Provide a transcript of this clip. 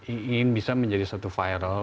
ingin bisa menjadi suatu viral